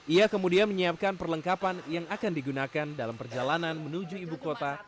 ia kemudian menyiapkan perlengkapan yang akan digunakan dalam perjalanan menuju ibu kota